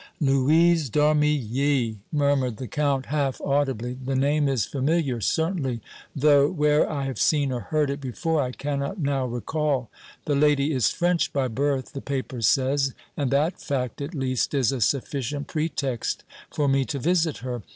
"Louise d' Armilly!" murmured the Count, half audibly. "The name is familiar, certainly, though where I have seen or heard it before I cannot now recall. The lady is French by birth, the paper says, and that fact, at least, is a sufficient pretext for me to visit her.